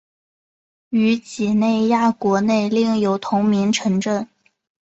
于几内亚国内另有同名城镇。